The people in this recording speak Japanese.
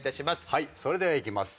はいそれではいきます。